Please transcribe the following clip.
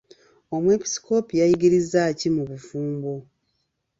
Omwepiskoopi yayigirizza ki ku bufumbo?